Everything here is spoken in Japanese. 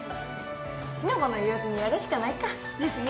四の五の言わずにやるしかないか。ですね。